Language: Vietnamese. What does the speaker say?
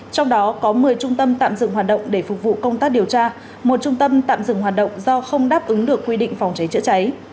trong đó có một mươi trung tâm tạm dừng hoạt động để phục vụ công tác điều tra một trung tâm tạm dừng hoạt động do không đáp ứng được quy định phòng cháy chữa cháy